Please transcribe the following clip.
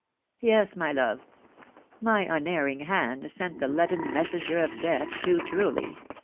" Yes, my love ! My unerring hand sent the leaden mes senger of death too truly